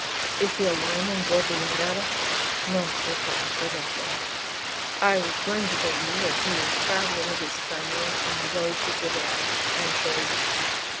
"Is he alone on board the jangada?" "No," replied Fragoso. "I was going to tell you that he is traveling with all his family and jolly people they are, I assure you.